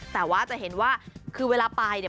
แต่จะเห็นว่าเวลาไป